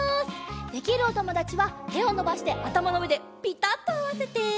できるおともだちはてをのばしてあたまのうえでピタッとあわせて。